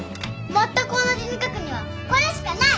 まったく同じに書くにはこれしかない！